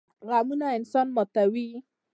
غمونه انسان ماتوي